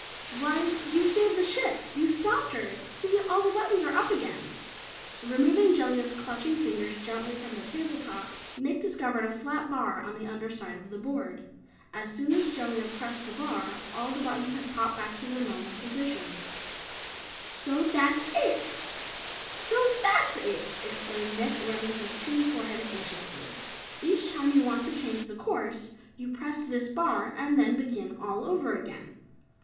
"Why, you saved the ship. You stopped her. See, all the buttons are up again!" Removing Jellia's clutching fingers gently from the table top, Nick discovered a flat bar on the under side of the board. As soon as Jellia pressed the bar, all the buttons had popped back to their normal position. "So THAT'S it!" exclaimed Nick, rubbing his tin forehead anxiously. "Each time you want to change the course, you press this bar and then begin all over again."